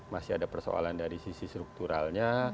masih ada persoalan dari sisi strukturalnya